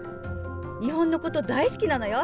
日本のこと大好きなのよ！